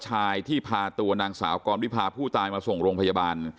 ชายที่พาตัวนางสาวกรวิพาผู้ตายมาส่งโรงพยาบาล